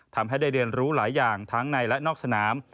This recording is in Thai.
ทำให้ได้เรียนรู้หลายอย่างทั้งในและนอกสนาม